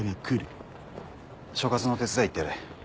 所轄の手伝い行ってやれ。